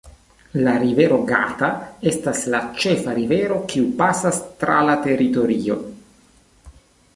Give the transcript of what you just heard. La Rivero Gata estas la ĉefa rivero kiu pasas tra la teritorio.